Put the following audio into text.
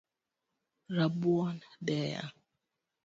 Rabuon deya